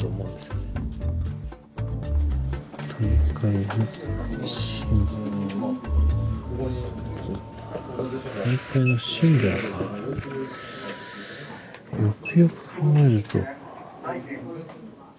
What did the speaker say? よくよく考えると。